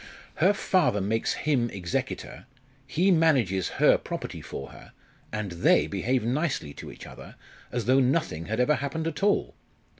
"Her father makes him executor he manages her property for her and they behave nicely to each other, as though nothing had ever happened at all.